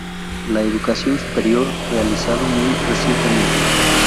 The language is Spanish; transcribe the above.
La Educación Superior realizado muy recientemente.